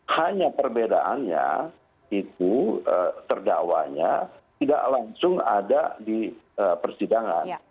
hanya perbedaannya itu terdakwanya tidak langsung ada di persidangan